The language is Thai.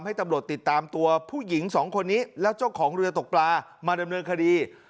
ให้ตำรวจติดตามตัวผู้หญิงสองคนนี้แล้วเจ้าของเรือตกปลามาดำเนินคดี